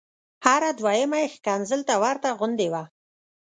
هره دویمه یې ښکنځل ته ورته غوندې وه.